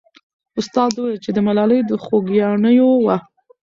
استاد وویل چې ملالۍ د خوګیاڼیو وه.